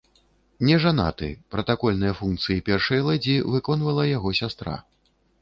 Нежанаты, пратакольныя функцыі першай лэдзі выконвала яго сястра.